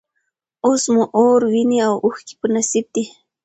اوس مو اور، ویني او اوښکي په نصیب دي